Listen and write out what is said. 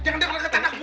jangan denger ketanak gue